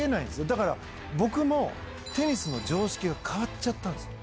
だから、僕もテニスの常識が変わっちゃったんです。